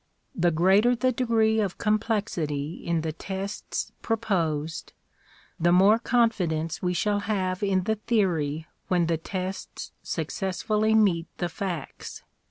The greater the degree of complexity in the tests proposed, the more confidence we shall have in the theory when the tests successfully meet the facts.